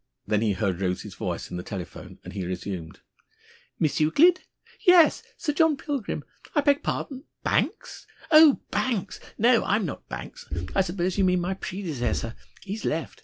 Then he heard Rose's voice in the telephone, and he resumed: "Miss Euclid? Yes. Sir John Pilgrim. I beg pardon! Banks? Oh, Banks! No, I'm not Banks. I suppose you mean my predecessor. He's left.